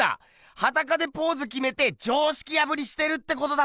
はだかでポーズ決めて常識破りしてるってことだ